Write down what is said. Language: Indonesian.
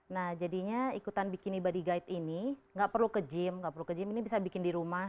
nah jadinya ikutan bikini padegat ini gak perlu ke gym ini bisa bikin di rumah